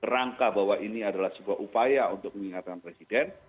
rangka bahwa ini adalah sebuah upaya untuk mengingatkan presiden